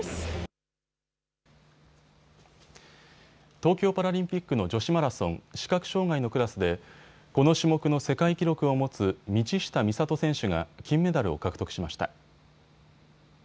東京パラリンピックの女子マラソン視覚障害のクラスでこの種目の世界記録を持つ道下美里選手が金メダルを獲得しました。